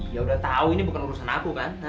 iya udah tau ini bukan urusan aku kan